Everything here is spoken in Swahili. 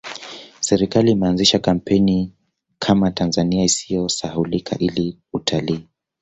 serikali imeanzisha kampeni Kama tanzania isiyo sahaulika ili utalii